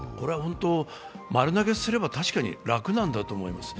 丸投げすれば確かに楽なんだと思います。